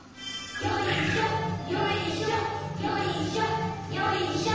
よいしょよいしょよいしょよいしょ。